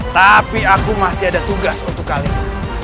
tapi aku masih ada tugas untuk kalian